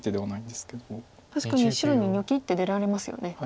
確かに白にニョキッて出られますよね。